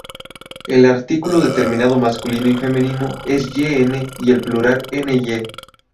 El artículo determinado masculino y femenino es yn y el plural ny.